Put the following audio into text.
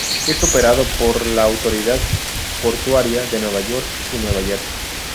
Es operado por la Autoridad Portuaria de Nueva York y Nueva Jersey.